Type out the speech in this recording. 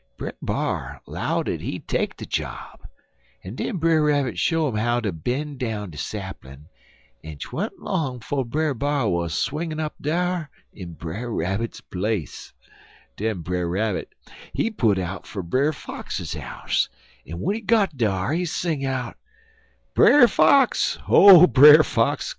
Brer B'ar 'low dat he take de job, en den Brer Rabbit show 'im how ter ben' down de saplin', en 'twan't long 'fo' Brer B'ar wuz swingin' up dar in Brer Rabbit's place. Den Brer Rabbit, he put out fer Brer Fox house, en w'en he got dar he sing out: "'Brer Fox! Oh, Brer Fox!